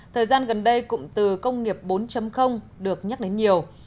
thời gian gần đây cụm từ công nghiệp bốn được nhắc đến nhiều